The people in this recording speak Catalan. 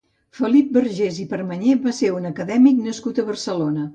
Felip Vergés i Permanyer va ser un acadèmic nascut a Barcelona.